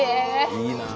いいなあ。